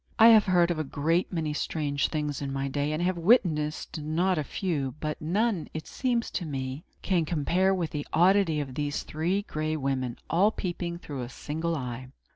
I have heard of a great many strange things, in my day, and have witnessed not a few; but none, it seems to me, that can compare with the oddity of these Three Gray Women, all peeping through a single eye.